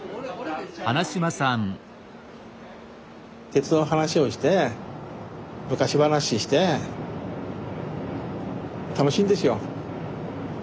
鉄道の話をして昔話して楽しいんですよ。